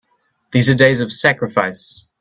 These are days of sacrifice!